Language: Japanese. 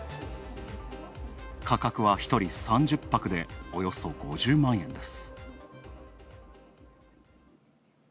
価格は１人３０泊でおよそ５０万円です。